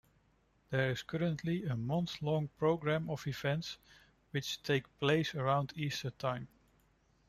There is currently a month-long programme of events which take place around Easter time.